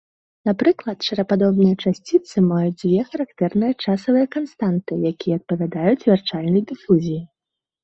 Напрыклад, шарападобныя часціцы маюць дзве характэрныя часавыя канстанты, якія адпавядаюць вярчальнай дыфузіі.